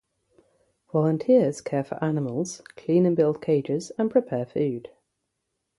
Volunteers care for animals, clean and build cages and prepare food.